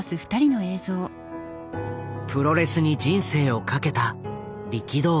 プロレスに人生を懸けた力道山。